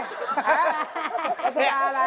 ราชิดาอะไร